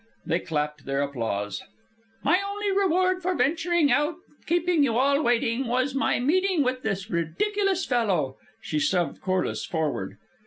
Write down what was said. They clapped their applause. "My only reward for venturing out and keeping you all waiting was my meeting with this ridiculous fellow." She shoved Corliss forward.